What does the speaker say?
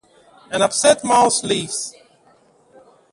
An upset Mouse leaves.